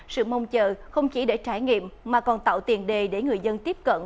sự mong chờ không chỉ để trải nghiệm mà còn tạo tiền đề để người dân tiếp cận